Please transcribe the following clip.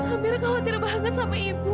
hampir khawatir banget sama ibu